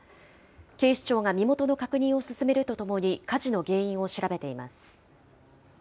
警視庁が身元の確認を進めるとともに、火事の原因を調べています。